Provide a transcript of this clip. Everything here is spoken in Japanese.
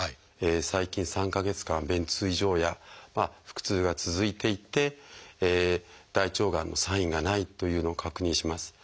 最近３か月間便通異常や腹痛が続いていて大腸がんのサインがないというのを確認します。